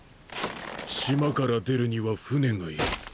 島から出るには船がいる。